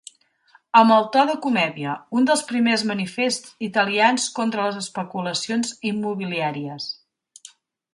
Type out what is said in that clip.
Amb el to de comèdia, un dels primers manifests italians contra les especulacions immobiliàries.